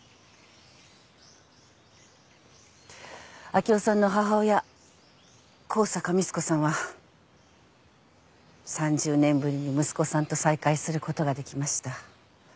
明生さんの母親香坂光子さんは３０年ぶりに息子さんと再会することができました。